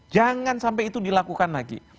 jangan sampai itu dilakukan lagi